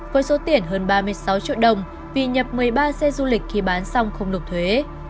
với số tiền hơn ba mươi sáu triệu đồng vì nhập một mươi ba xe du lịch khi bán xong không nộp thuế